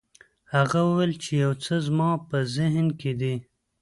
هغه وویل چې یو څه زما په ذهن کې دي.